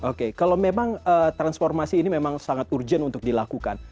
oke kalau memang transformasi ini memang sangat urgent untuk dilakukan